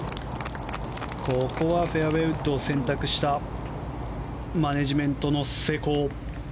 ここはフェアウェーウッドを選択したマネジメントの成功。